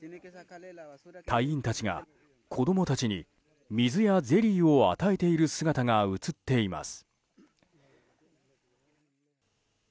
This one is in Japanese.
隊員たちが子供たちに水やゼリーを与えている姿が映っています。